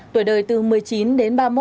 tuổi đời từ một mươi chín đến ba mươi một